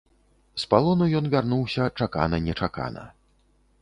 З палону ён вярнуўся чакана-нечакана.